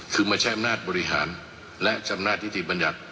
คือมาใช้อำนาจบริหารและชำนาจนิติบัญญัติ